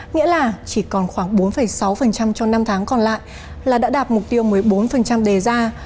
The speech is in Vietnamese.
nghĩa là chỉ còn khoảng bốn sáu trong năm tháng còn lại là đã đạt mục tiêu một mươi bốn đề ra